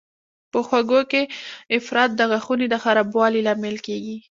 په خوږو کې افراط د غاښونو د خرابوالي لامل کېږي.